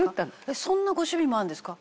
そんなご趣味もあるんですか？